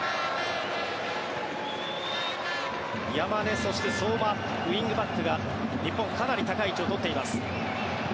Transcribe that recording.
山根、そして相馬ウィングバックが日本、かなり高い位置を取っています。